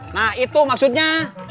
nah itu maksudnya